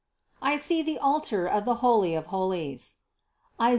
I see the altar of the Holy of holies (Is.